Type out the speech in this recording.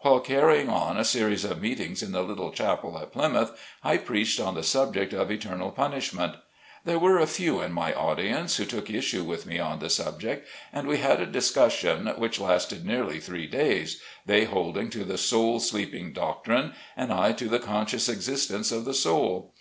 While carrying on a series of meetings in the little Chapel at Ply mouth, I preached on the subject of eternal punish ment. There were a few in my audience who took issue with me on the subject, and we had a discus sion which lasted nearly three days, they holding to the soul sleeping doctrine, and I to the con scious existence of the soul.